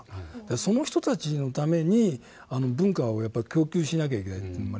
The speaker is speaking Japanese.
その人たちのために文化を供給しなきゃいけない。